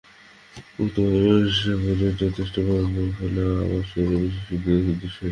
মুক্তবায়ু-সেবন, মিতাহার এবং যথেষ্ট ব্যায়ামের ফলে আমার শরীর বিশেষ সুদৃঢ় ও সুদৃশ্য হয়েছে।